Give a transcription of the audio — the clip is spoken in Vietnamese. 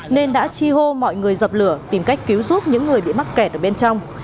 nên đã chi hô mọi người dập lửa tìm cách cứu giúp những người bị mắc kẹt ở bên trong